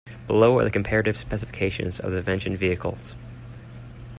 Below are the comparative specifications of the mentioned vehicles.